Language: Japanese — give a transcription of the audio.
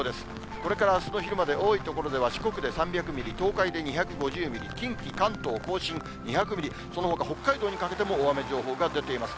これからあすの昼まで多い所では四国で３００ミリ、東海で２５０ミリ、近畿、関東甲信２００ミリ、そのほか北海道にかけても大雨情報が出ています。